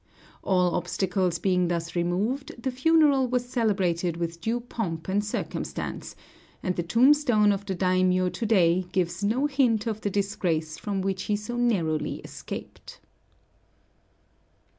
All obstacles being thus removed, the funeral was celebrated with due pomp and circumstance; and the tombstone of the daimiō to day gives no hint of the disgrace from which he so narrowly escaped.